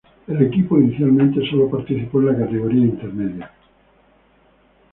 El equipo inicialmente sólo participó en la categoría intermedia.